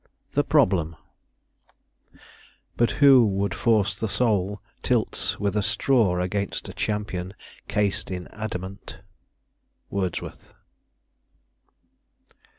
THE PROBLEM "But who would force the soul, tilts with a straw Against a champion cased in adamant." Wordsworth.